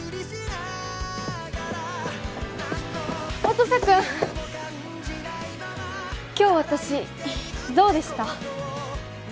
音瀬君今日私どうでした？